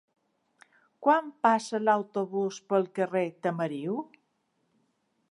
Quan passa l'autobús pel carrer Tamariu?